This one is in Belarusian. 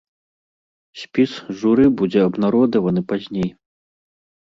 Спіс журы будзе абнародаваны пазней.